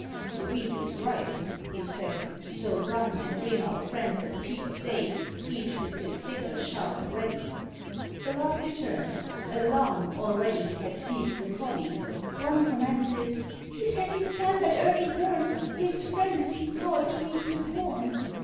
"The wheat is ripe," he said, "so run, And bring our friends at peep of day, Each with his sickle sharp and ready." The Lark returns: alarm already [Illustration: THE LARK AND HER LITTLE ONES.] Had seized the covey. One commences "He said himself, at early morn, His friends he'd call to reap the corn."